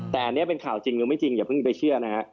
แต่อันนี้เป็นข่าวจริงหรือไม่จริงอย่าเพิ่งไปเชื่อนะฮะ